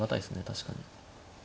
確かに。